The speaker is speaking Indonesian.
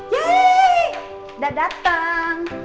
yaay udah datang